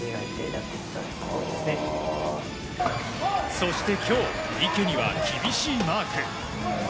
そして今日池には厳しいマーク。